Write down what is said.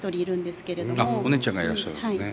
あっお姉ちゃんがいらっしゃるんですね。